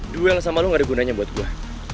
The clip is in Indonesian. duel sama lo gak ada gunanya buat gue